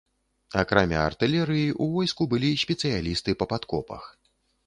Акрамя артылерыі, у войску былі спецыялісты па падкопах.